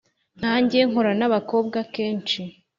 Nkange nkorana n’abakobwa kenshi